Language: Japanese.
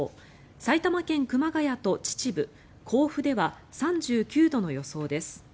埼玉県熊谷と秩父、甲府では３９度の予想です。